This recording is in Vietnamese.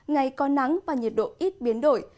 ngày có nắng và nhiệt độ ít biến đổi